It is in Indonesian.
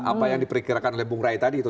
apa yang diperkirakan oleh bung rai tadi itu